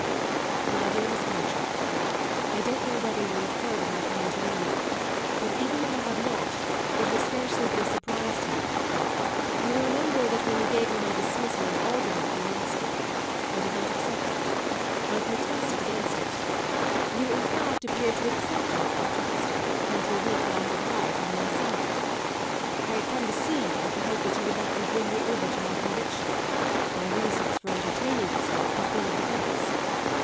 MY DEAR MISS ARCHER I don't know whether you will have heard of my coming to England, but even if you have not it will scarcely be a surprise to you. You will remember that when you gave me my dismissal at Albany, three months ago, I did not accept it. I protested against it. You in fact appeared to accept my protest and to admit that I had the right on my side. I had come to see you with the hope that you would let me bring you over to my conviction; my reasons for entertaining this hope had been of the best.